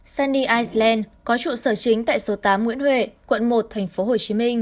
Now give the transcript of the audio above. sunny island có trụ sở chính tại số tám nguyễn huệ quận một tp hcm